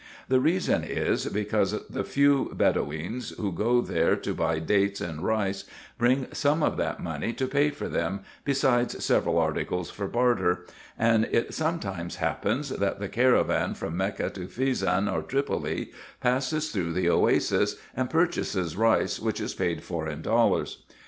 The reason is, because the few Bedoweens who go there to buy dates and rice bring some of that money to pay for them, besides several articles for barter ; and it sometimes happens that the caravan from Mecca to Fezan or Tripoli passes through the Oasis, and purchases rice, which is paid for in dollars.